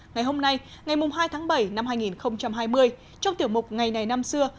ngày hôm nay ngày hai tháng bảy năm hai nghìn hai mươi trong tiểu mục ngày này năm xưa